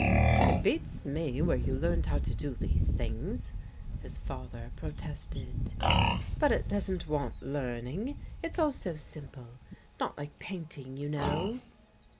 "It beats me where you learned how to do these things," his father protested. "But it doesn't want learning; it's all so simple not like painting, you know."